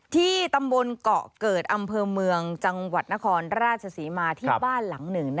ที่ตำบลเกาะเกิดอำเภอเมืองจังหวัดนครราชศรีมาที่บ้านหลังหนึ่ง